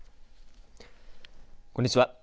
こんにちは。